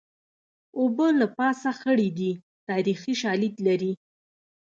اوبه له پاسه خړې دي تاریخي شالید لري